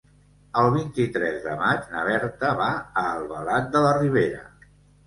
El vint-i-tres de maig na Berta va a Albalat de la Ribera.